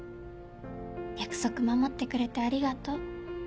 約束守ってくれてありがとう。